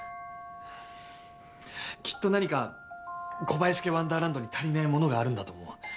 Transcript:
きっと何か小林家ワンダーランドに足りないものがあるんだと思う。